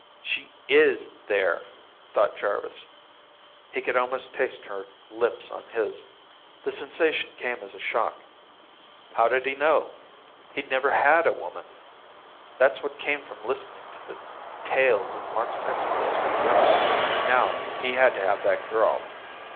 "She is there," thought Jarvis. He could almost taste her lips on his. The sensation came as a shock. How did he know? He'd never had a woman. That's what came from listening to the tales of Mark's exploits with women. Now he had to have that girl!